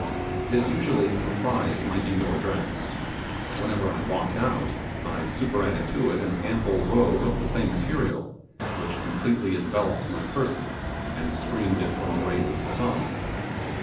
This usually comprised my in door dress; whenever I walked out, I superadded to it an ample robe of the same material, which completely enveloped my person, and screened it from the rays of the sun.